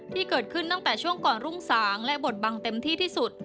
ที่เกิดขึ้นตั้งแต่ช่วงก่อนรุ่งสางและบทบังเต็มที่ที่สุด